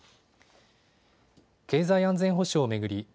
経済安全保障を巡り